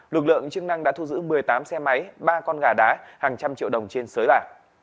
lực lượng chức năng đã thu giữ một mươi tám xe máy ba con gà đá hàng trăm triệu đồng trên sới gà